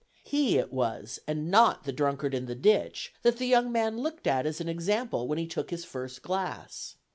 He it was, and not the drunkard in the ditch, that the young man looked at as an example when he took his first glass.